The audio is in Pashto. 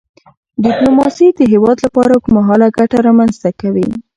ډیپلوماسي د هیواد لپاره اوږدمهاله ګټه رامنځته کوي.